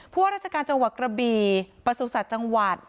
พวกราชการจังหวัดกระบีประสุทธิ์ศาสตร์จังหวัด